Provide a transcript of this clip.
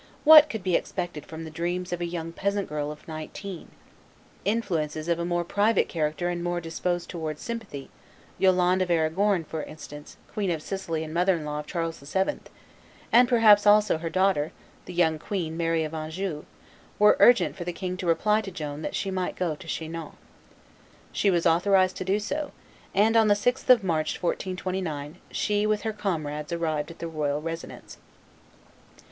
What could be expected from the dreams of a young peasant girl of nineteen? Influences of a more private character and more disposed towards sympathy Yolande of Arragon, for instance, Queen of Sicily and mother in law of Charles VII., and perhaps, also, her daughter, the young queen, Mary of Anjou, were urgent for the king to reply to Joan that she might go to Chinon. She was authorized to do so, and, on the 6th of March, 1429, she with her comrades arrived at the royal residence.